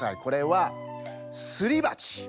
これはすりばち！